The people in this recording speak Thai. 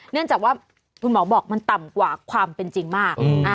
เนื่องจากว่าคุณหมอบอกมันต่ำกว่าความเป็นจริงมาก